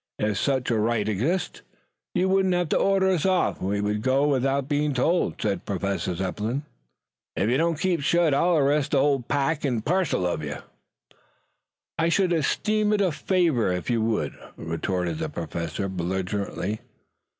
If such a right existed, you wouldn't have to order us off. We should go without being told," said Professor Zepplin. "If ye don't keep shet I'll arrest the whole pack and parcel of ye." "I should esteem it a favor if you would," retorted the Professor belligerently.